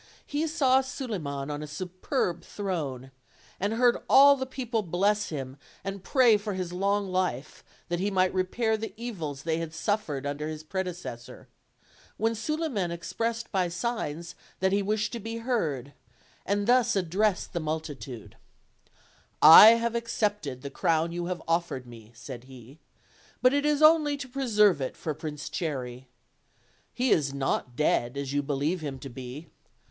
He saw Suliman on a superb throne, and heard all the people bless him, and pray for his long life, that he might repair the evils they had suffered under his prede cessor* when Suliman expressed by signs that he wished 328 OLD, OLD FAIRY TALES. to be heard, and thus addressed the multitude: "I have accepted the crown you have offered me," said h3, "but it is only to preserve it for Prince Cherry. He is not dead, as you believe him to be.